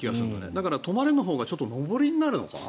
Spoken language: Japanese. だから止まれのほうがちょっと上りになるのかな。